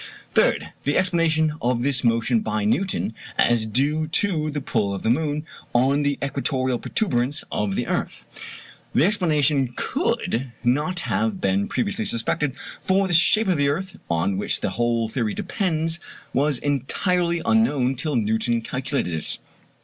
Third, the explanation of this motion by Newton as due to the pull of the moon on the equatorial protuberance of the earth. The explanation could not have been previously suspected, for the shape of the earth, on which the whole theory depends, was entirely unknown till Newton calculated it.